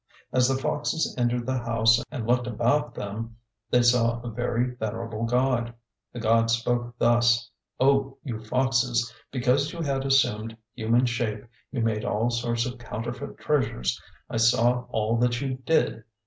As the foxes entered the house and looked about them, they saw a very venerable god. The god spoke thus: "Oh! you foxes; because you had assumed human shape, you made all sorts of counterfeit treasures. I saw all that you did.